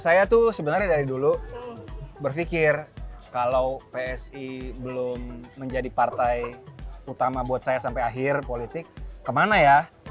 saya tuh sebenarnya dari dulu berpikir kalau psi belum menjadi partai utama buat saya sampai akhir politik kemana ya